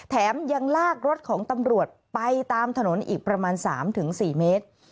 ยังลากรถของตำรวจไปตามถนนอีกประมาณ๓๔เมตร